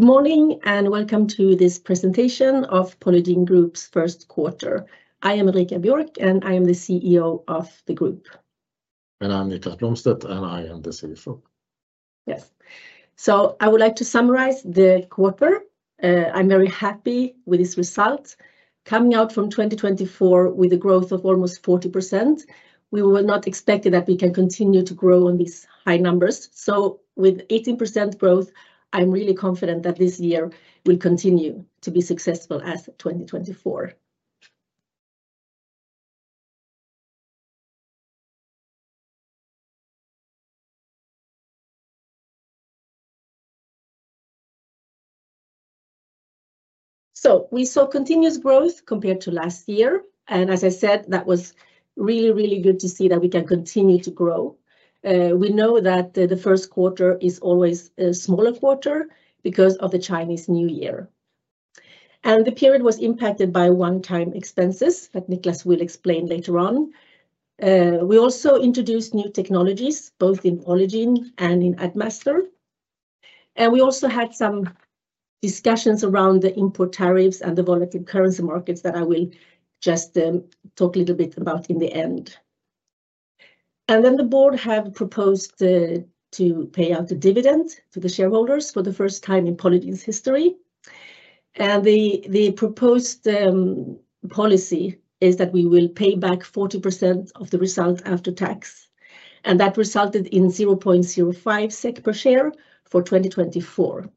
Good morning and welcome to this presentation of Polygiene Group's first quarter. I am Ulrika Björk and I am the CEO of the group. I'm Niklas Blomstedt and I am the CFO. Yes. I would like to summarize the quarter. I'm very happy with this result. Coming out from 2024 with a growth of almost 40%, we were not expecting that we can continue to grow on these high numbers. With 18% growth, I'm really confident that this year will continue to be successful as 2024. We saw continuous growth compared to last year. As I said, that was really, really good to see that we can continue to grow. We know that the first quarter is always a smaller quarter because of the Chinese New Year. The period was impacted by one-time expenses that Niklas will explain later on. We also introduced new technologies both in Polygiene and in Admaster. We also had some discussions around the import tariffs and the volatile currency markets that I will just talk a little bit about in the end. The board has proposed to pay out a dividend to the shareholders for the first time in Polygiene's history. The proposed policy is that we will pay back 40% of the result after tax. That resulted in 0.05 SEK per share for 2024.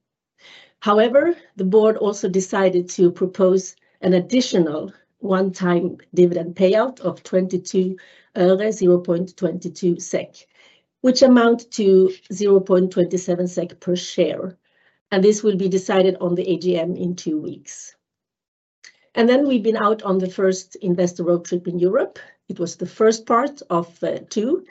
However, the board also decided to propose an additional one-time dividend payout of EUR 0.22, SEK 0.22, which amounts to 0.27 SEK per share. This will be decided on the AGM in two weeks. We have been out on the first investor road trip in Europe. It was the first part of two.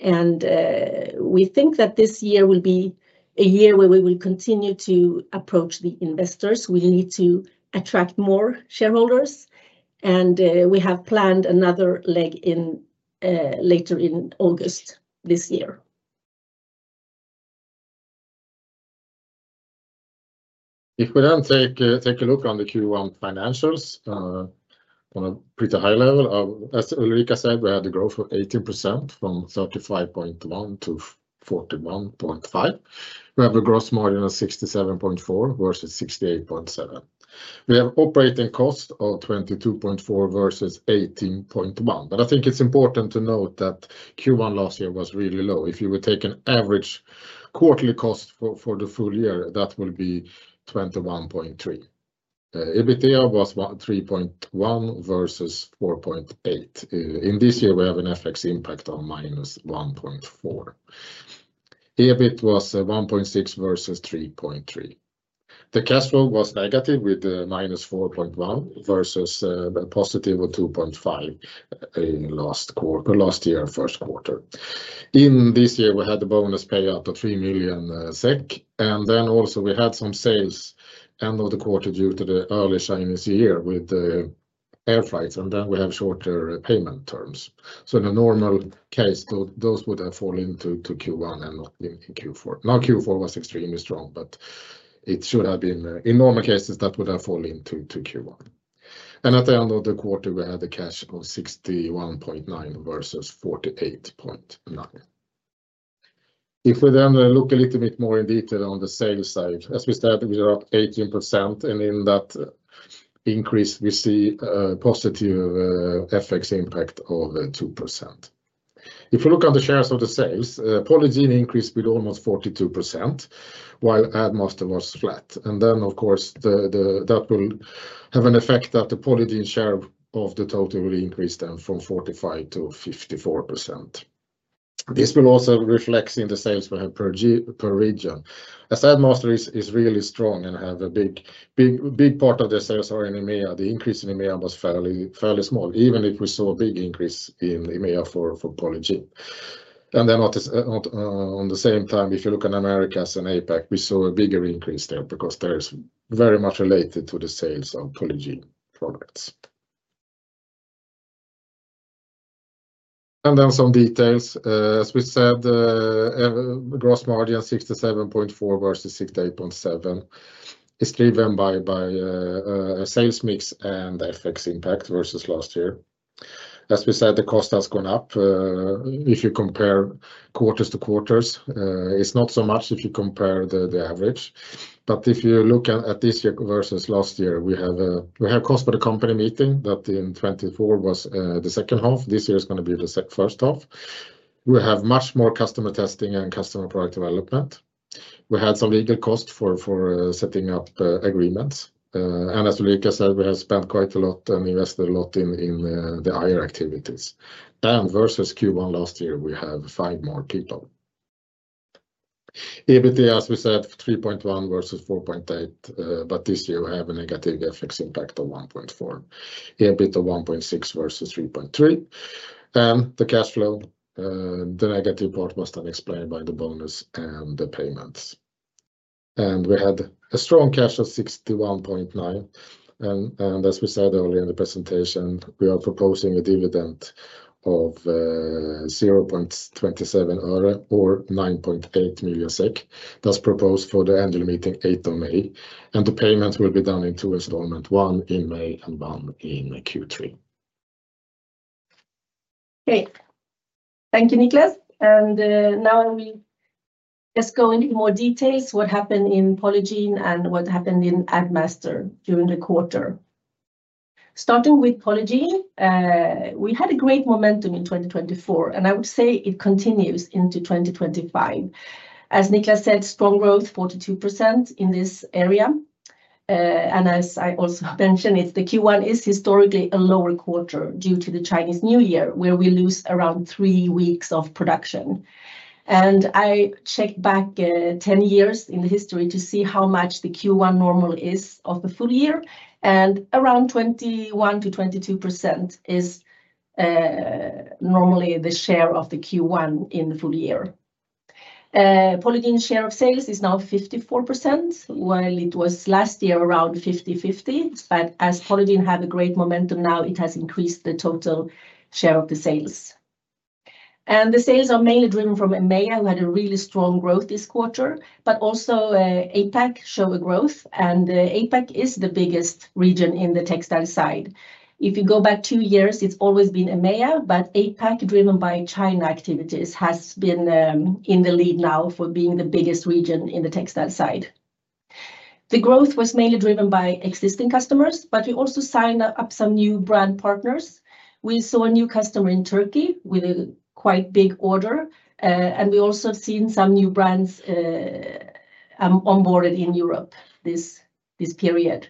We think that this year will be a year where we will continue to approach the investors. We need to attract more shareholders. We have planned another leg later in August this year. If we then take a look on the Q1 financials on a pretty high level, as Ulrika said, we had a growth of 18% from 35.1 million to 41.5 million. We have a gross margin of 67.4% versus 68.7%. We have operating cost of 22.4 million versus 18.1 million. I think it's important to note that Q1 last year was really low. If you would take an average quarterly cost for the full year, that will be 21.3 million. EBITDA was 3.1 million versus 4.8 million. In this year, we have an FX impact of minus 1.4 million. EBIT was 1.6 million versus 3.3 million. The cash flow was negative with minus 4.1 million versus a positive of 2.5 million in last quarter, last year's first quarter. In this year, we had a bonus payout of 3 million SEK. Also, we had some sales end of the quarter due to the early Chinese year with air flights. We have shorter payment terms. In a normal case, those would have fallen into Q1 and not been in Q4. Q4 was extremely strong, but it should have been in normal cases that would have fallen into Q1. At the end of the quarter, we had a cash of 61.9 million versus 48.9 million. If we then look a little bit more in detail on the sales side, as we said, we are up 18%. In that increase, we see a positive FX impact of 2%. If we look at the shares of the sales, Polygiene increased with almost 42%, while Admaster was flat. That will have an effect that the Polygiene share of the total will increase then from 45%-54%. This will also reflect in the sales per region. As Admaster is really strong and has a big part of their sales are in EMEA, the increase in EMEA was fairly small, even if we saw a big increase in EMEA for Polygiene. At the same time, if you look at Americas and APAC, we saw a bigger increase there because it's very much related to the sales of Polygiene products. Some details. As we said, gross margin 67.4% versus 68.7% is driven by sales mix and FX impact versus last year. As we said, the cost has gone up. If you compare quarters to quarters, it's not so much if you compare the average. If you look at this year versus last year, we have a cost per company meeting that in 2024 was the second half. This year is going to be the first half. We have much more customer testing and customer product development. We had some legal costs for setting up agreements. As Ulrika said, we have spent quite a lot and invested a lot in the IR activities. Versus Q1 last year, we have five more people. EBITDA, as we said, 3.1 million versus 4.8 million, but this year we have a negative FX impact of 1.4 million. EBIT of 1.6 million versus 3.3 million. The cash flow, the negative part was then explained by the bonus and the payments. We had a strong cash of 61.9 million. As we said earlier in the presentation, we are proposing a dividend of 0.27 or 9.8 million SEK. That is proposed for the annual meeting 8th of May. The payments will be done in two installments, one in May and one in Q3. Great. Thank you, Niklas. Now we just go into more details what happened in Polygiene and what happened in Admaster during the quarter. Starting with Polygiene, we had a great momentum in 2024, and I would say it continues into 2025. As Niklas said, strong growth, 42% in this area. As I also mentioned, the Q1 is historically a lower quarter due to the Chinese New Year, where we lose around three weeks of production. I checked back 10 years in the history to see how much the Q1 normal is of the full year. Around 21%-22% is normally the share of the Q1 in the full year. Polygiene's share of sales is now 54%, while it was last year around 50-50. As Polygiene had a great momentum now, it has increased the total share of the sales. Sales are mainly driven from EMEA, who had really strong growth this quarter. APAC also showed growth. APAC is the biggest region on the textile side. If you go back two years, it has always been EMEA, but APAC, driven by China activities, has been in the lead now for being the biggest region on the textile side. The growth was mainly driven by existing customers, but we also signed up some new brand partners. We saw a new customer in Turkey with a quite big order. We have also seen some new brands onboarded in Europe this period.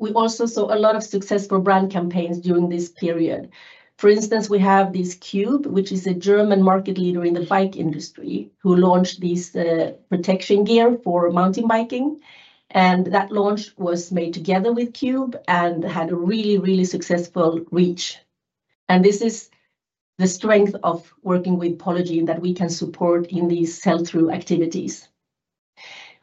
We also saw a lot of successful brand campaigns during this period. For instance, we have Cube, which is a German market leader in the bike industry, who launched this protection gear for mountain biking. That launch was made together with Cube and had a really, really successful reach. This is the strength of working with Polygiene that we can support in these sell-through activities.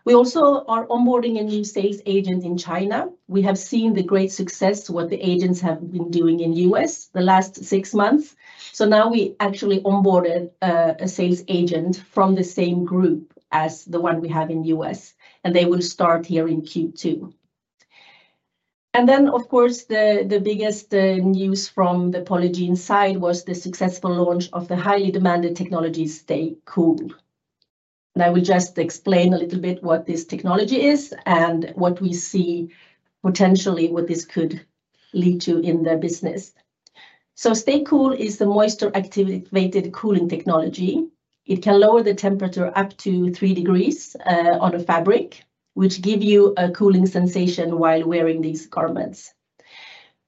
We also are onboarding a new sales agent in China. We have seen the great success what the agents have been doing in the US the last six months. Now we actually onboarded a sales agent from the same group as the one we have in the US. They will start here in Q2. Of course, the biggest news from the Polygiene side was the successful launch of the highly demanded technology, Stay Cool. I will just explain a little bit what this technology is and what we see potentially what this could lead to in the business. Stay Cool is the moisture-activated cooling technology. It can lower the temperature up to three degrees on a fabric, which gives you a cooling sensation while wearing these garments.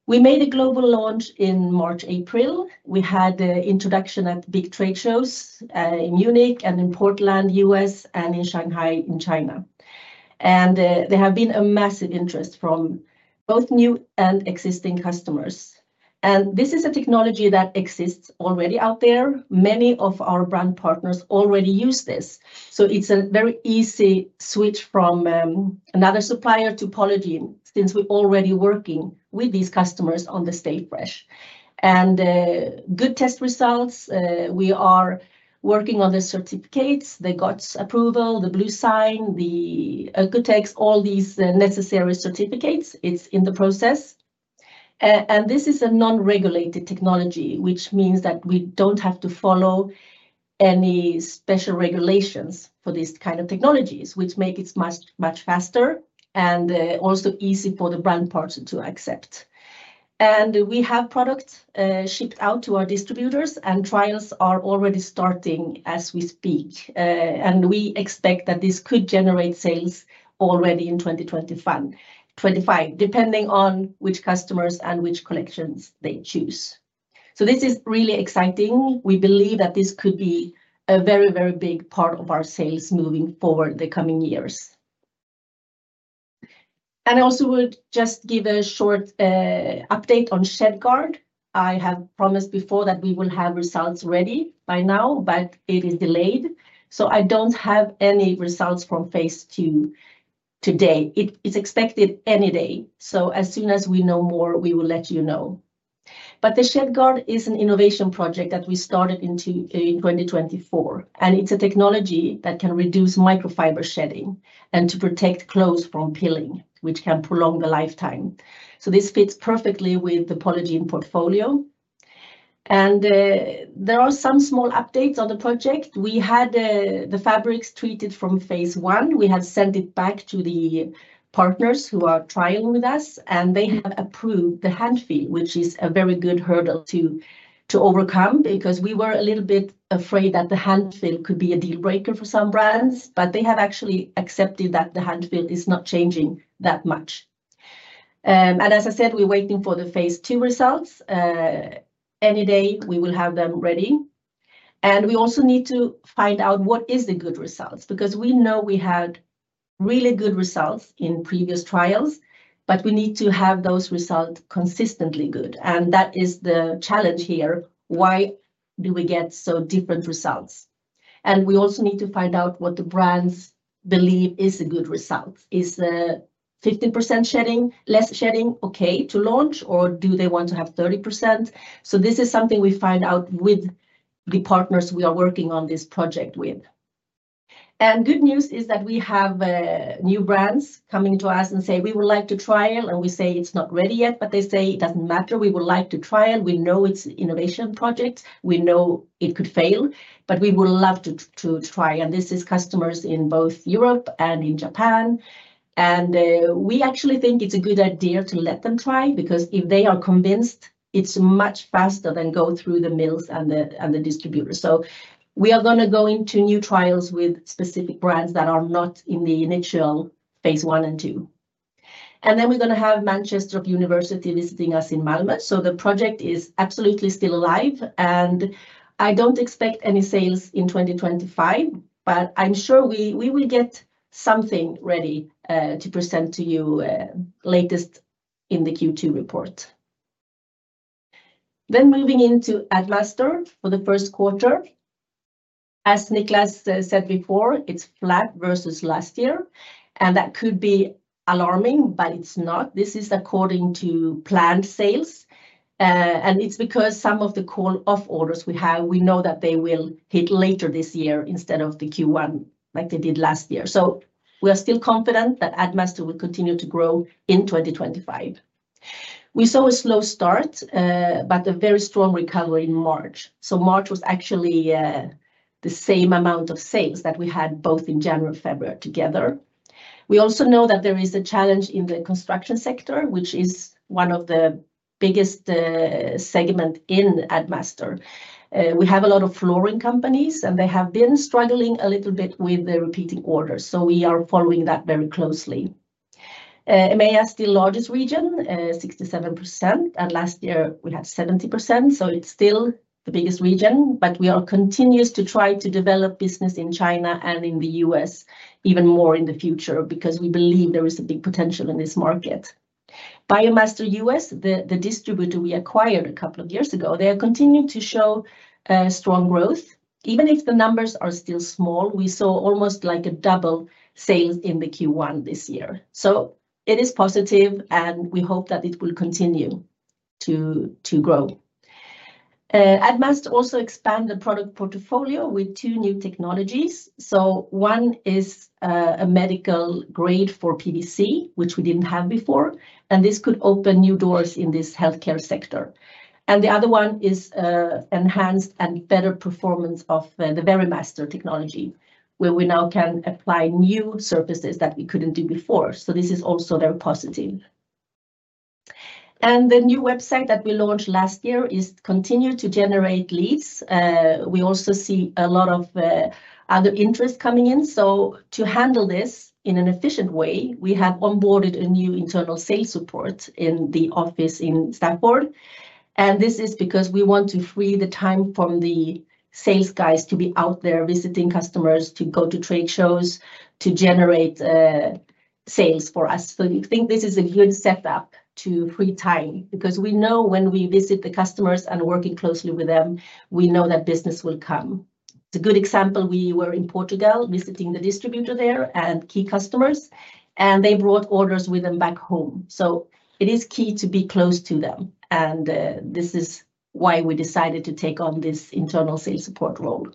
We made a global launch in March, April. We had the introduction at big trade shows in Munich and in Portland, US, and in Shanghai in China. There has been a massive interest from both new and existing customers. This is a technology that exists already out there. Many of our brand partners already use this. It is a very easy switch from another supplier to Polygiene since we are already working with these customers on the Stay Fresh. Good test results. We are working on the certificates, the GOTS approval, the Bluesign, the Oeko-Tex, all these necessary certificates. It is in the process. This is a non-regulated technology, which means that we do not have to follow any special regulations for these kinds of technologies, which makes it much, much faster and also easy for the brand partner to accept. We have products shipped out to our distributors, and trials are already starting as we speak. We expect that this could generate sales already in 2025, depending on which customers and which collections they choose. This is really exciting. We believe that this could be a very, very big part of our sales moving forward the coming years. I also would just give a short update on Shed Guard. I have promised before that we will have results ready by now, but it is delayed. I do not have any results from phase two today. It is expected any day. As soon as we know more, we will let you know. The Shed Guard is an innovation project that we started in 2024. It is a technology that can reduce microfiber shedding and protect clothes from peeling, which can prolong the lifetime. This fits perfectly with the Polygiene portfolio. There are some small updates on the project. We had the fabrics treated from phase one. We have sent it back to the partners who are trialing with us. They have approved the hand feel, which is a very good hurdle to overcome because we were a little bit afraid that the hand feel could be a deal breaker for some brands. They have actually accepted that the hand feel is not changing that much. As I said, we are waiting for the phase two results. Any day, we will have them ready. We also need to find out what is the good results because we know we had really good results in previous trials, but we need to have those results consistently good. That is the challenge here. Why do we get so different results? We also need to find out what the brands believe is a good result. Is 15% less shedding okay to launch, or do they want to have 30%? This is something we find out with the partners we are working on this project with. Good news is that we have new brands coming to us and say, "We would like to trial." We say, "It's not ready yet," but they say, "It doesn't matter. We would like to trial. We know it's an innovation project. We know it could fail, but we would love to try. This is customers in both Europe and in Japan. We actually think it's a good idea to let them try because if they are convinced, it's much faster than going through the mills and the distributors. We are going to go into new trials with specific brands that are not in the initial phase one and two. We are going to have Manchester University visiting us in Malmö. The project is absolutely still alive. I don't expect any sales in 2025, but I'm sure we will get something ready to present to you latest in the Q2 report. Moving into Admaster for the first quarter. As Niklas said before, it's flat versus last year. That could be alarming, but it's not. This is according to planned sales. It is because some of the call-off orders we have, we know that they will hit later this year instead of Q1, like they did last year. We are still confident that Admaster will continue to grow in 2025. We saw a slow start, but a very strong recovery in March. March was actually the same amount of sales that we had both in January and February together. We also know that there is a challenge in the construction sector, which is one of the biggest segments in Admaster. We have a lot of flooring companies, and they have been struggling a little bit with the repeating orders. We are following that very closely. EMEA is the largest region, 67%. Last year, we had 70%. It is still the biggest region, but we are continuing to try to develop business in China and in the US even more in the future because we believe there is a big potential in this market. Biomaster US, the distributor we acquired a couple of years ago, is continuing to show strong growth. Even if the numbers are still small, we saw almost a double sales in Q1 this year. It is positive, and we hope that it will continue to grow. Admaster also expanded the product portfolio with two new technologies. One is a medical grade for PVC, which we did not have before. This could open new doors in this healthcare sector. The other one is enhanced and better performance of the Verimaster technology, where we now can apply new surfaces that we could not do before. This is also very positive. The new website that we launched last year is continuing to generate leads. We also see a lot of other interest coming in. To handle this in an efficient way, we have onboarded a new internal sales support in the office in Stanford. This is because we want to free the time from the sales guys to be out there visiting customers, to go to trade shows, to generate sales for us. We think this is a good setup to free time because we know when we visit the customers and work closely with them, we know that business will come. It's a good example. We were in Portugal visiting the distributor there and key customers, and they brought orders with them back home. It is key to be close to them. This is why we decided to take on this internal sales support role.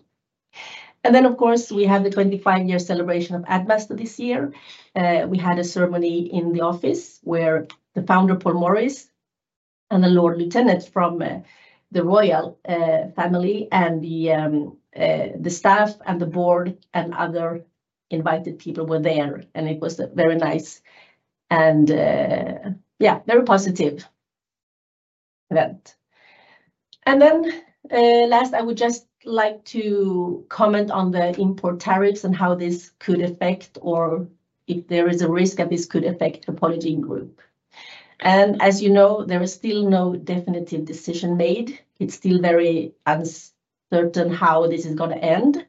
Of course, we have the 25-year celebration of Admaster this year. We had a ceremony in the office where the founder, Paul Morris, the Lord Lieutenant from the Royal Family, the staff, the board, and other invited people were there. It was very nice and, yeah, a very positive event. Last, I would just like to comment on the import tariffs and how this could affect or if there is a risk that this could affect the Polygiene Group. As you know, there is still no definitive decision made. It is still very uncertain how this is going to end.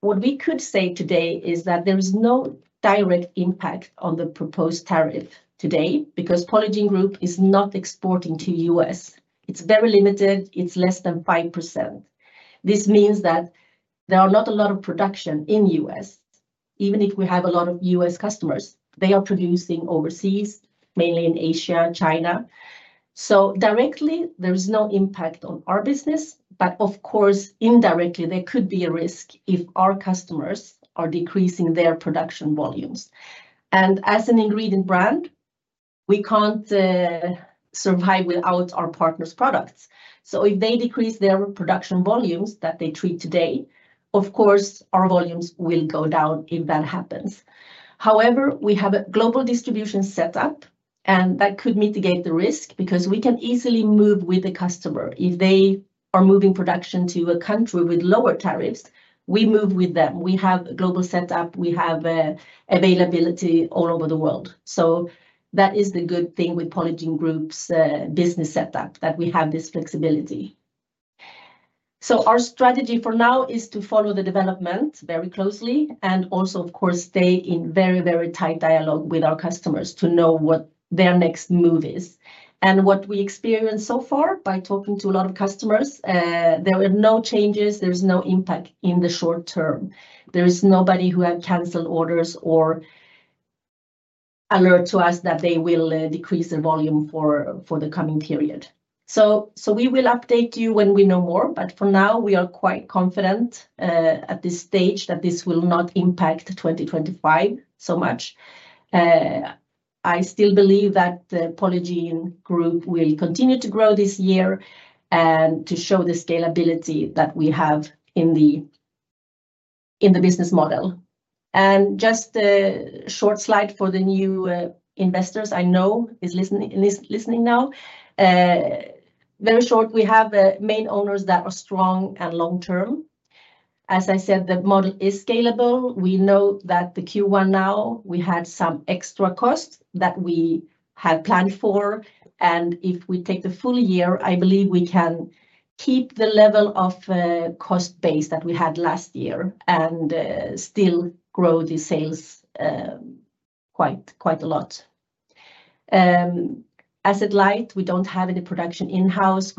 What we could say today is that there is no direct impact on the proposed tariff today because Polygiene Group is not exporting to the US. It's very limited. It's less than 5%. This means that there are not a lot of production in the US. Even if we have a lot of US customers, they are producing overseas, mainly in Asia and China. Directly, there is no impact on our business. Of course, indirectly, there could be a risk if our customers are decreasing their production volumes. As an ingredient brand, we can't survive without our partners' products. If they decrease their production volumes that they treat today, our volumes will go down if that happens. However, we have a global distribution setup, and that could mitigate the risk because we can easily move with the customer. If they are moving production to a country with lower tariffs, we move with them. We have a global setup. We have availability all over the world. That is the good thing with Polygiene Group's business setup, that we have this flexibility. Our strategy for now is to follow the development very closely and also, of course, stay in very, very tight dialogue with our customers to know what their next move is. What we experienced so far by talking to a lot of customers, there are no changes. There is no impact in the short term. There is nobody who has canceled orders or alerted us that they will decrease their volume for the coming period. We will update you when we know more. For now, we are quite confident at this stage that this will not impact 2025 so much. I still believe that the Polygiene Group will continue to grow this year and to show the scalability that we have in the business model. Just a short slide for the new investors I know are listening now. Very short, we have main owners that are strong and long-term. As I said, the model is scalable. We know that the Q1 now, we had some extra costs that we had planned for. If we take the full year, I believe we can keep the level of cost base that we had last year and still grow the sales quite a lot. Asset light, we do not have any production in-house.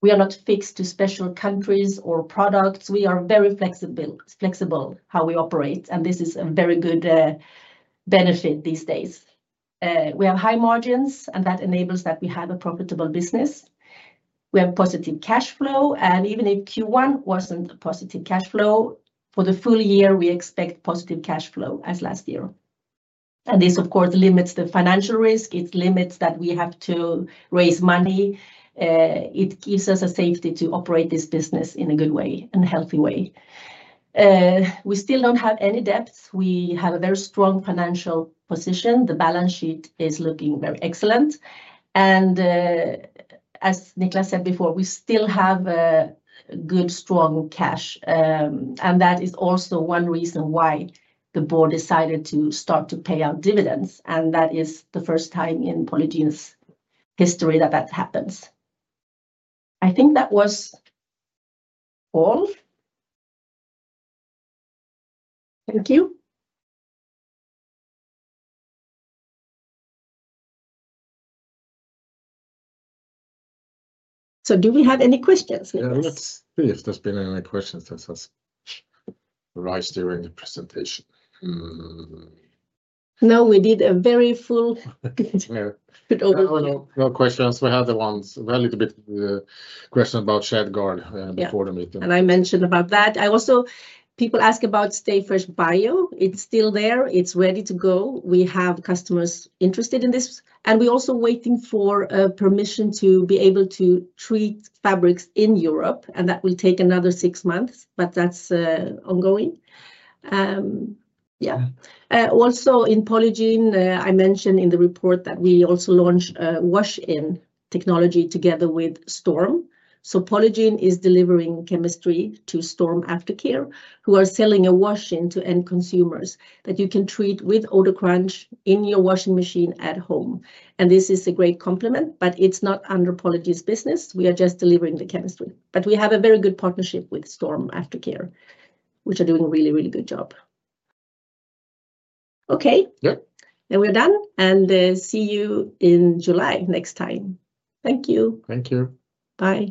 We are not fixed to special countries or products. We are very flexible how we operate. This is a very good benefit these days. We have high margins, and that enables that we have a profitable business. We have positive cash flow. Even if Q1 was not a positive cash flow, for the full year, we expect positive cash flow as last year. This, of course, limits the financial risk. It limits that we have to raise money. It gives us a safety to operate this business in a good way, in a healthy way. We still do not have any debts. We have a very strong financial position. The balance sheet is looking very excellent. As Niklas said before, we still have good, strong cash. That is also one reason why the board decided to start to pay out dividends. That is the first time in Polygiene's history that that happens. I think that was all. Thank you. Do we have any questions, Niklas? Yes, if there have been any questions that were raised during the presentation. No, we did a very full. No questions. We had a little bit of a question about Shed Guard before the meeting. I mentioned about that. I also people ask about StayFresh Bio. It's still there. It's ready to go. We have customers interested in this. We're also waiting for permission to be able to treat fabrics in Europe. That will take another six months, but that's ongoing. Yeah. Also in Polygiene, I mentioned in the report that we also launched a wash-in technology together with Storm. Polygiene is delivering chemistry to Storm Aftercare, who are selling a wash-in to end consumers that you can treat with OdoCrunch in your washing machine at home. This is a great complement, but it's not under Polygiene's business. We are just delivering the chemistry. We have a very good partnership with Storm Aftercare, which are doing a really, really good job. Okay. We're done. See you in July next time. Thank you. Thank you. Bye.